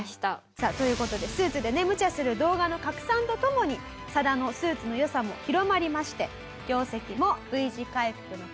さあという事でスーツでねむちゃする動画の拡散とともにＳＡＤＡのスーツの良さも広まりまして業績もＶ字回復の黒字化。